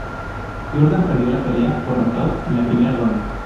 Jordan perdió la pelea por nocaut en la primera ronda.